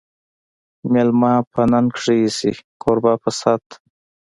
مېلمه په ننګ ښه ایسي، کوربه په صت